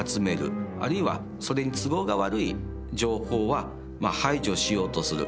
あるいはそれに都合が悪い情報はまあ排除しようとする。